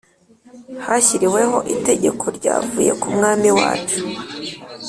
hashyiriweho itegeko ryavuye ku mwami wacu